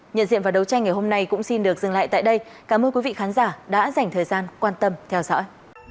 nhận diện và đấu tranh ngày hôm nay cũng xin được dừng lại tại đây cảm ơn quý vị khán giả đã dành thời gian quan tâm theo dõi